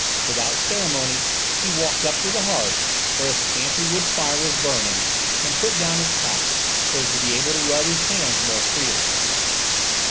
Without ceremony he walked up to the hearth, where a scanty wood fire was burning, and put down his pack so as to be able to rub his hands more freely.